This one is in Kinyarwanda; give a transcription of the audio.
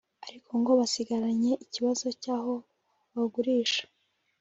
ariko ngo basigaranye ikibazo cyaho bawugurisha